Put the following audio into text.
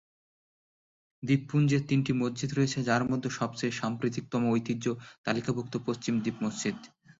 দ্বীপপুঞ্জের তিনটি মসজিদ রয়েছে যার মধ্যে সবচেয়ে সাম্প্রতিকতম ঐতিহ্য তালিকাভুক্ত পশ্চিম দ্বীপ মসজিদ।